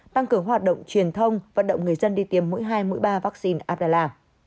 tăng cường hoạt động truyền thông vận động người dân đi tiêm mũi hai mũi ba vắc xin adela